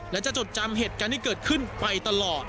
และจะจดจำเหตุการณ์ที่เกิดขึ้นไปตลอด